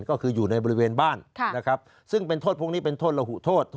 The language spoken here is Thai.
ก็คืออยู่ในบริเวณบ้านนะครับซึ่งเป็นโทษพวกนี้เป็นโทษระหุโทษ